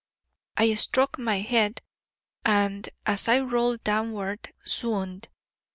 I struck my head, and, as I rolled downward, swooned.